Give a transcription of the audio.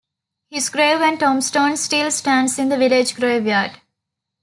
His grave and tombstone still stands in the village graveyard.